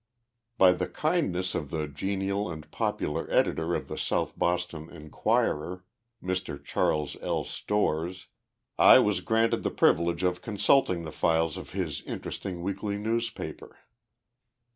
By the kindness of the genial and popular editor of the South Boston Inquirer, Mr. Charles L. Storrs, I was granted the privi lege of consulting the files of his interesting weekly newspaper.